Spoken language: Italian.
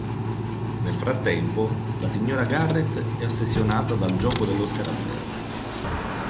Nel frattempo, la signora Garrett è ossessionata dal gioco dello Scarabeo.